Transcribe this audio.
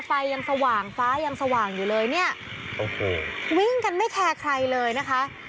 ไฟยังสว่างฟ้ายังสว่างอยู่เลยเนี่ยโอ้โหวิ่งกันไม่แคร์ใครเลยนะคะ